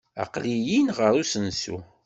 Aql-iyi-n ɣer usensu.